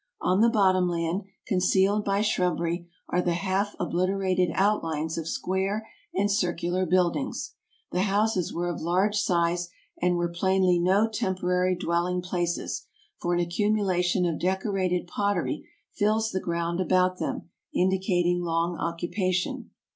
On the bottom land, concealed by shrubbery, are the half obliterated outlines of square and circular buildings. The houses were of large size, and were plainly no temporary dwelling places, for an accumulation of decorated pottery fills the ground about them, indicating long occupation.